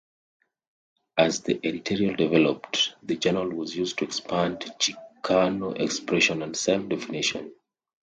As the editorial developed, the journal was used to expand Chicano expression and self-definition.